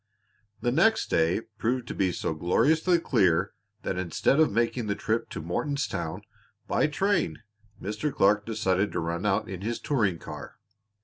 The next day proved to be so gloriously clear that instead of making the trip to Mortonstown by train Mr. Clark decided to run out in his touring car.